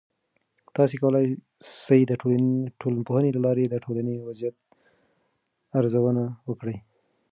تاسې کولای سئ د ټولنپوهنې له لارې د ټولنې وضعیت ارزونه وکړئ.